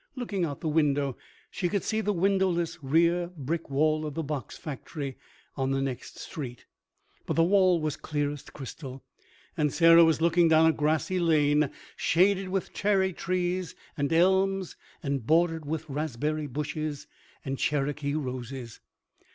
Looking out the window she could see the windowless rear brick wall of the box factory on the next street. But the wall was clearest crystal; and Sarah was looking down a grassy lane shaded with cherry trees and elms and bordered with raspberry bushes and Cherokee roses.